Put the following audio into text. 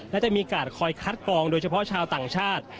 และจะมีการคอยคัดกองโดยเฉพาะชาวต่างชาติ